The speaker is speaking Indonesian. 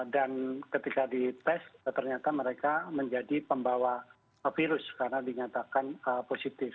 dan ketika dites ternyata mereka menjadi pembawa virus karena dinyatakan positif